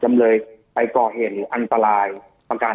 จนถึงปัจจุบันมีการมารายงานตัว